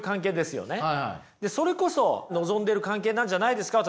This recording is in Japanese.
それこそ望んでる関係なんじゃないですか？